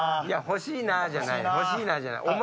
いや「欲しいな」じゃない「欲しいな」じゃない。